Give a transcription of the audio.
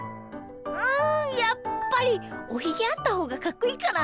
うんやっぱりおひげあったほうがかっこいいかな？